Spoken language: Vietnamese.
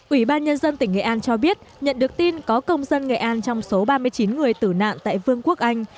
ủy ban nhân dân tỉnh nghệ an cho biết nhận được tin có công dân nghệ an trong số ba mươi chín người tử nạn tại vương quốc anh